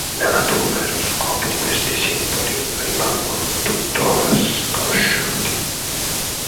La natura e lo scopo di questi simboli rimangono tuttora sconosciuti.